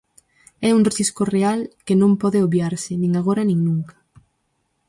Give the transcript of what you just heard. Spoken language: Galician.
É un risco real que non pode obviarse, nin agora nin nunca.